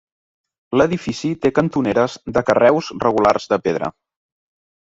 L'edifici té cantoneres de carreus regulars de pedra.